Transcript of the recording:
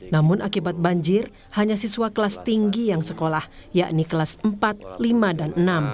namun akibat banjir hanya siswa kelas tinggi yang sekolah yakni kelas empat lima dan enam